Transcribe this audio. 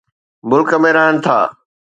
ملڪ ۾ رهن ٿا.